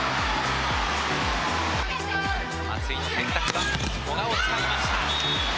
松井の選択は古賀を使いました。